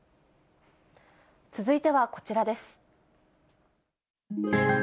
続いてはこちらです。